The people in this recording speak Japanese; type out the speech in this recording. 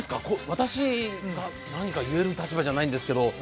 私が何か言える立場じゃないんですけど。